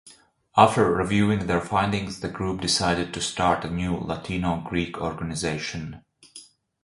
After reviewing their findings, the group decided to start a new Latino Greek organization.